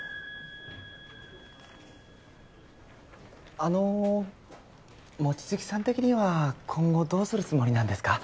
あの望月さん的には今後どうするつもりなんですか？